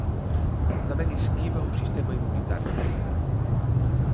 Tamén esquiva o sistema inmunitario.